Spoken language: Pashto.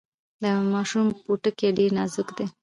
د ماشوم پوټکی ډیر نازک دی۔